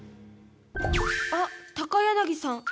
あ、高柳さん！